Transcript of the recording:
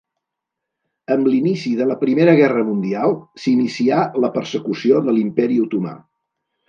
Amb l'inici de la Primera Guerra Mundial s'inicià la persecució de l'Imperi Otomà.